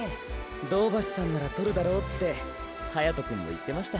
銅橋さんなら獲るだろうって隼人くんも言ってました。